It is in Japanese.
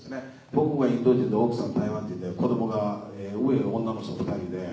僕はインド人で奥さん台湾人で子供が女の人２人で。